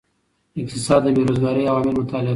اقتصاد د بیروزګارۍ عوامل مطالعه کوي.